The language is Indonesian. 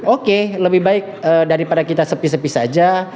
oke lebih baik daripada kita sepi sepi saja